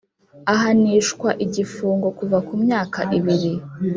ahanishwa igifungo kuva ku myaka ibiri.